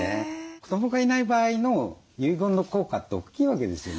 子どもがいない場合の遺言の効果って大きいわけですよね？